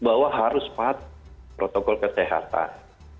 bahwa harus patuh protokol kesehatan